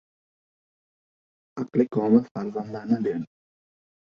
aqli komil farzandlarni berdi.